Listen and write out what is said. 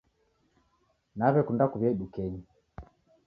Nawe'kunda kuw'uya idukenyi.